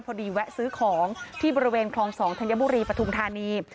แวะซื้อของที่บริเวณคลอง๒ธัญบุรีปฐุมธานี